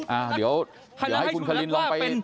อ่าเดี๋ยวให้คุณคาลินลองไป